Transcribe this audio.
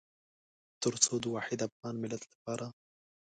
تر څو د واحد افغان ملت لپاره.